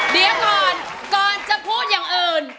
เดี๋ยวก่อนก่อนจะพูดอย่างอื่น